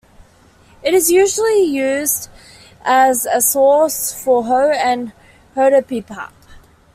It is usually used as a sauce for "hoe" and "hoedeopbap".